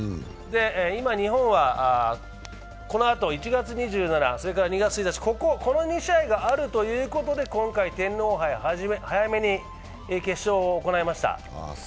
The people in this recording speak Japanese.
今、日本はこのあと１月２７日、それから２月１日、この２試合があるということで、今回、天皇杯を早めに決勝を行いました。